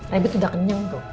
rebit udah kenyang tuh